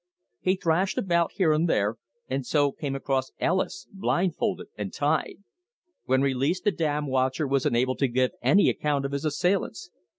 He thrashed about here and there, and so came across Ellis blindfolded and tied. When released, the dam watcher was unable to give any account of his assailants.